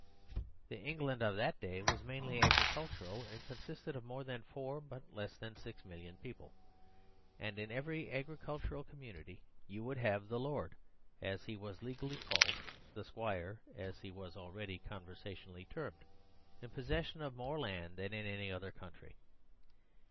The England of that day was mainly agricultural, and consisted of more than four, but less than six million people, and in every agricultural community you would have the Lord, as he was legally called (the squire, as he was already conversationally termed), in possession of more demesne land than in any other country.